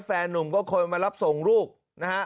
แฟนนุ่มก็คอยมารับส่งลูกนะฮะ